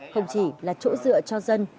không chỉ là chỗ dựa cho dân